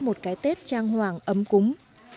một cái tết trang hoàng ấm cúng